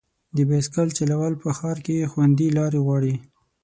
د بایسکل چلول په ښار کې خوندي لارې غواړي.